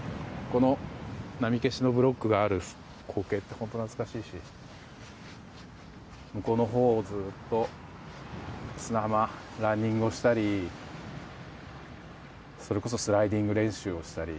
この波消しブロックがある光景って本当懐かしいし、向こうのほうをずっと、砂浜ランニングをしたりそれこそスライディング練習をしたり。